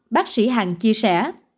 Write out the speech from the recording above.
bác sĩ hằng chia sẻ